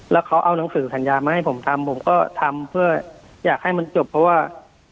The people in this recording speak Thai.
แล้วเขาเอาหนังสือสัญญามาให้ผมทำผมก็ทำเพื่ออยากให้มันจบเพราะว่า